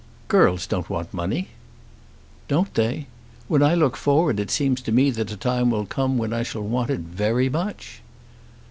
"Girls don't want money." "Don't they? When I look forward it seems to me that a time will come when I shall want it very much."